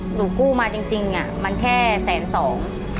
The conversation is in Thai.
หนูกู้มาจริงมันแค่แสนสอง